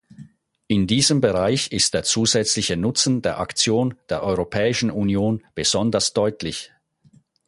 In diesem Bereich ist der zusätzliche Nutzen der Aktion der Europäischen Union besonders deutlich.